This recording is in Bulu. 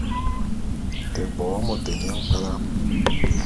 Te bo môt nyi nkpwala.